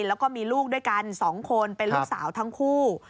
แล้วก็มีลูกด้วยกัน๒คนเป็นลูกสาวทั้งคู่